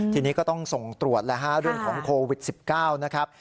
ทีนี้ก็ต้องส่งตรวจแล้วฮะเรื่องของโควิด๑๙นะครับ